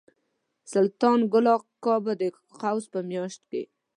سلطان ګل اکا به د قوس په میاشت کې.